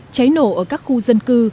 cháy nổ ở các khu dân cư